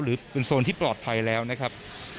หรือเป็นโซนที่ปลอดภัยแล้วนะครับ